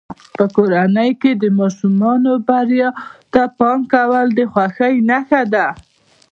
په کورنۍ کې د ماشومانو بریاوو ته پام کول د خوښۍ نښه ده.